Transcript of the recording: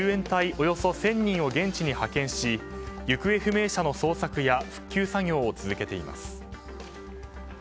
およそ１０００人を現地に派遣し行方不明者の捜索や復旧作業を続けています。